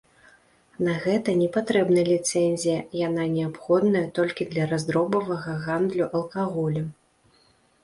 На гэта не патрэбна ліцэнзія, яна неабходная толькі для раздробавага гандлю алкаголем.